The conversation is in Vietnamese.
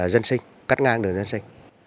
dân sinh cắt ngang đường dân sinh